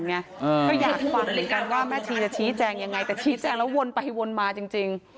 ก็อยากฟังเหมือนกันว่าแม่ชีจะชี้แจงยังไงแต่ชี้แจงแล้ววนไปวนมาจริง